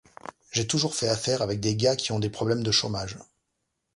J'ai toujours fait affaire avec des gars qui ont des problèmes de chômage.